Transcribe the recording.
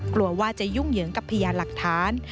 กลัวว่าจะยุ่งเหยิงกับพยานหลักฐาน